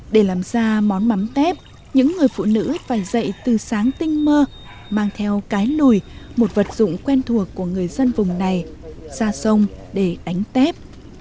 để làm ra món mắm tép những người phụ nữ phải dậy từ sáng tinh mơ mang theo cái lùi một vật dụng quen thuộc của người dân vùng này ra sông để đánh tép